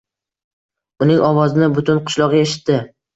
Uning ovozini butun qishloq eshitdi.